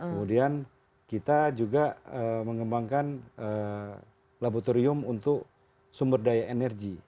kemudian kita juga mengembangkan laboratorium untuk sumber daya energi